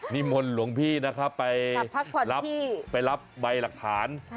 นิมนต์หลวงพี่นะครับไปพักไปรับใบหลักฐาน